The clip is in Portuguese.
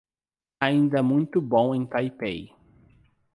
Ainda muito bom em Taipei